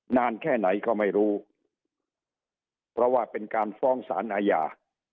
นานแค่ไหนก็ไม่รู้เพราะว่าเป็นการฟ้องสารอาญา